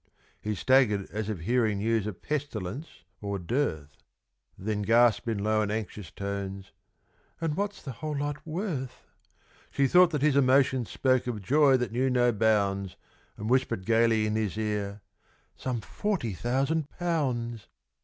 _" He staggered as if hearing news of pestilence or dearth, Then gasped in low and anxious tones, "And what's the whole lot worth?" She thought that his emotion spoke of joy that knew no bounds, And whispered gaily in his ear, "Some forty thousand pounds!"